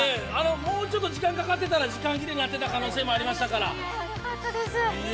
もうちょっと時間かかってたら時間切れになってた可能性ありますから。